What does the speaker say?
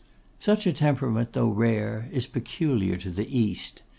Such a temperament, though rare, is peculiar to the East.